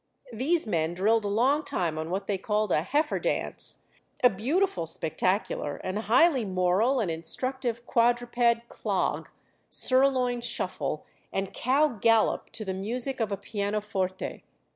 These men drilled a long time on what they called a heifer dance a beautiful spectacular, and highly moral and instructive quadruped clog, sirloin shuffle, and cow gallop, to the music of a piano forte.